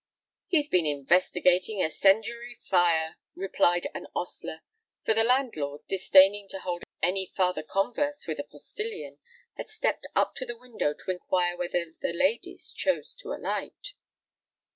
"He's been investigating a 'cendiary fire," replied an ostler; for the landlord, disdaining to hold any farther converse with a postillion, had stepped up to the window to inquire whether the ladies chose to alight.